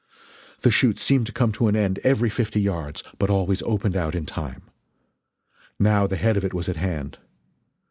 The chute seemed to come to an end every fifty yards, but always opened out in time. Now the head of it was at hand.